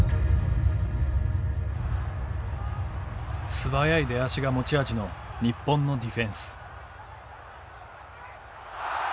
素早い出足が持ち味の日本のディフェンス。